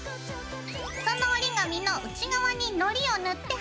その折り紙の内側にのりを塗って貼ってね。